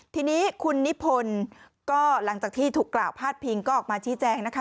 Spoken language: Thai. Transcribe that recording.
ทีนี้คุณนิพนธ์ก็หลังจากที่ถูกกล่าวพาดพิงก็ออกมาชี้แจงนะคะ